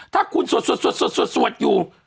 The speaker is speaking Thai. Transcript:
ถ้าคุณสวดอยู่